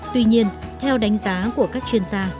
tuy nhiên theo đánh giá của các chuyên gia